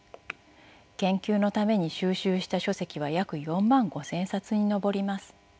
研究のために収集した書籍は約４万５，０００冊に上ります。